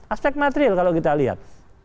aspek material kalau kita lihat